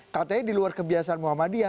katanya di luar kebiasaan muhammadiyah